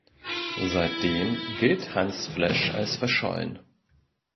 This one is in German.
Seitdem gilt Hans Flesch als verschollen.